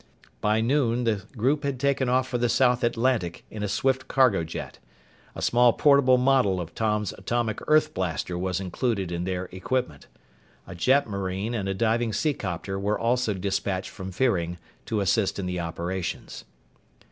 By noon the group had taken off for the South Atlantic in a Swift cargo jet. A small portable model of Tom's atomic earth blaster was included in their equipment. A jetmarine and a diving seacopter were also dispatched from Fearing to assist in the operations.